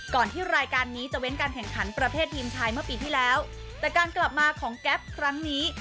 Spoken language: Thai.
ที่รายการนี้จะเว้นการแข่งขันประเภททีมชายเมื่อปีที่แล้วแต่การกลับมาของแก๊ปครั้งนี้